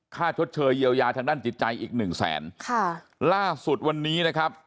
ชดเชยเยียวยาทางด้านจิตใจอีกหนึ่งแสนค่ะล่าสุดวันนี้นะครับ